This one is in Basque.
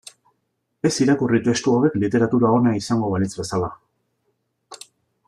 Ez irakurri testu hauek literatura ona izango balitz bezala.